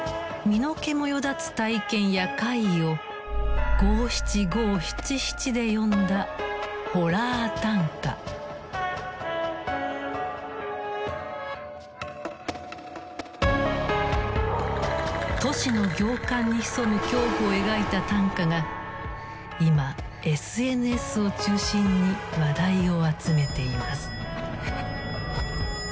身の毛もよだつ体験や怪異を五七五七七で詠んだ都市の行間に潜む恐怖を描いた短歌が今ＳＮＳを中心に話題を集めています。